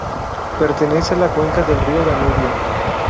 Pertenece a la cuenca del río Danubio.